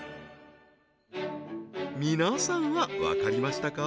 皆さんはわかりましたか？